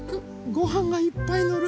ごはんがいっぱいのる。